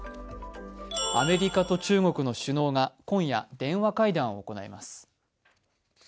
アメリカと中国の首脳が今夜、電話会談を行います。